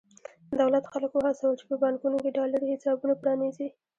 دولت خلک وهڅول چې په بانکونو کې ډالري حسابونه پرانېزي.